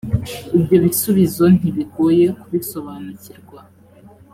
ibyo bisubizo ntibigoye kubisobanukirwa.